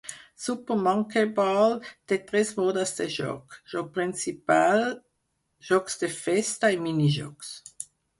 "Super Monkey Ball" té tres modes de joc: joc principal, jocs de festa i mini-jocs.